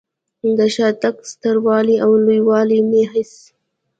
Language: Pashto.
د شاتګ ستر والی او لوی والی مې هېڅ.